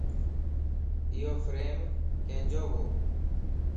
ايو فريم ڪينجووَ